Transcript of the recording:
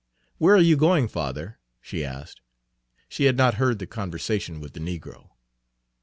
"Where are you going, father?" she asked. She had not heard the conversation with the negro.